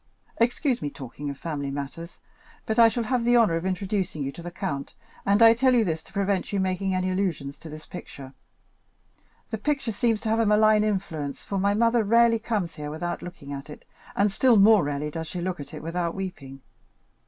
Excuse my talking of family matters, but as I shall have the honor of introducing you to the count, I tell you this to prevent you making any allusions to this picture. The picture seems to have a malign influence, for my mother rarely comes here without looking at it, and still more rarely does she look at it without weeping.